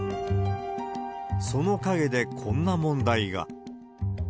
その陰でこんな問題が。